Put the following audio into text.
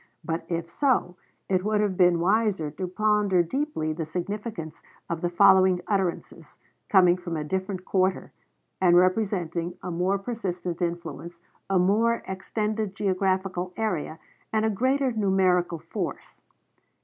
But, if so, it would have been wiser to ponder deeply the significance of the following utterances coming from a different quarter, and representing a more persistent influence, a more extended geographical area, and a greater numerical force.